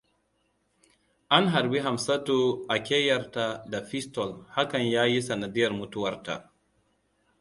An harbi Amsatu a ƙeyarta da fistol hakan ya yi sanadiyyar mutuwarta.